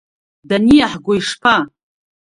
Даниаҳго ишԥа?